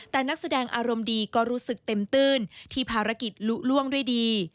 แต่นักแสดงอารมณ์ดีก็รู้สึกเต็มตื้นที่ภารกิจลุล่วงด้วยดี